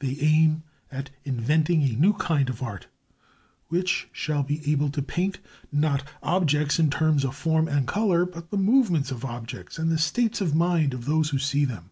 They aim at inventing a new kind of art which shall be able to paint, not objects in terms of form and colour, but the movements of objects and the states of mind of those who see them.